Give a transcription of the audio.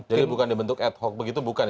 jadi bukan dibentuk ad hoc begitu bukan ya